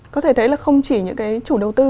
có thể thấy là không chỉ những cái chủ đầu tư